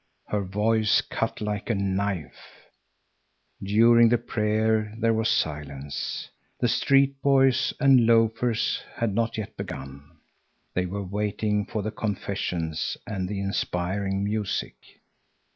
Her voice cut like a knife. During the prayer there was silence. The street boys and loafers had not yet begun. They were waiting for the confessions and the inspiring music.